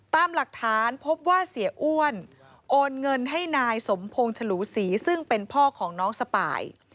ตามหลักฐานพบว่าเสียอ้วนโอนเงินให้นายสมพงศ์ฉลูศรีซึ่งเป็นพ่อของน้องสปาย